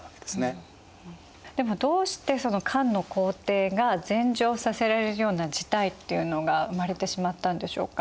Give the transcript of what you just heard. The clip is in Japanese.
でもどうしてその漢の皇帝が禅譲させられるような事態っていうのが生まれてしまったんでしょうか？